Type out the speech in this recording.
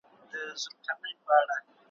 نه په ژوندون وه پر چا راغلي `